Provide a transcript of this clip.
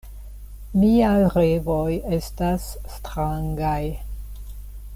Miaj revoj estas strangaj.